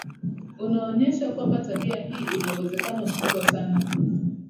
unaonyesha kwamba tabia hii ina uwezekano mkubwa sana